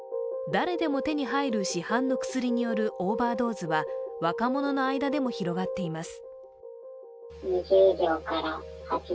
誰でも手に入る市販の薬によるオーバードーズは若者の間でも広がっています。